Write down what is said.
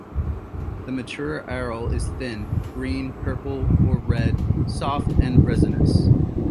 The mature aril is thin, green, purple or red, soft and resinous.